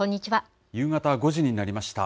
夕方５時になりました。